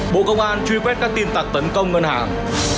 bộ công an truy quét các tin tặc tấn công ngân hàng